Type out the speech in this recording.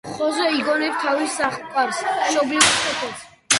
ხოზე იგონებს თავის სახლ-კარს, მშობლიურ სოფელს.